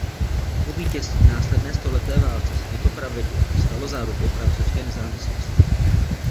Po vítězství v následné stoleté válce se toto pravidlo stalo zárukou francouzské nezávislosti.